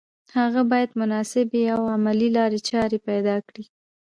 هغه باید مناسبې او عملي لارې چارې پیدا کړي